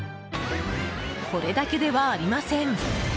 これだけではありません。